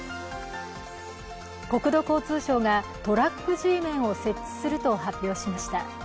国土交通省がトラックＧメンを設置すると発表しました。